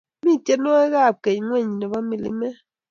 mi tienowik ab keny ngweny nebo milimet